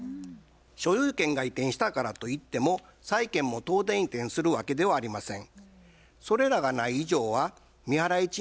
所有権が移転したからといっても債権も当然移転するわけではありません。